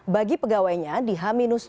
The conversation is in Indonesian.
bagi pegawainya di h tiga